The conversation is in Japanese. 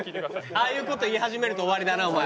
ああいう事言い始めると終わりだなお前。